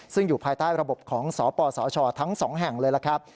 ซึ่งอยู่ภายใต้ระบบของสปสชทั้ง๒แห่งเลยล่ะครับ